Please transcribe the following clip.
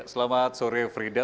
selamat sore frida